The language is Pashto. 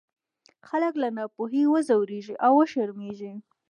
خلک له ناپوهۍ وځورېږي او وشرمېږي.